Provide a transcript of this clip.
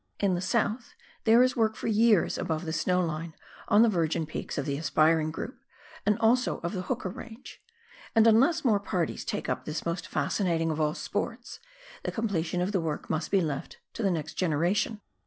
In the south there is work for yeats above the snow line on the virgin peaks of the Aspiring group and also of the Hooker range, and unless more parties take up this most fascinating of all sports, the completion of the work must be left to the next generation.